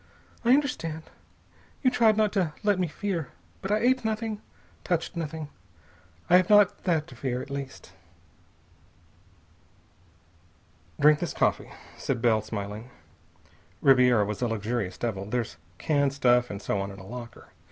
"I understand. You tried not to let me fear. But I ate nothing, touched nothing. I have not that to fear, at least." "Drink this coffee," said Bell, smiling. "Ribiera was a luxurious devil. There's canned stuff and so on in a locker.